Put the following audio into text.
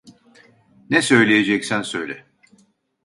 Ne söyleyeceksen söyle.